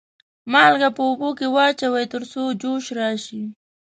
مالګه په اوبو کې واچوئ تر څو جوش راشي.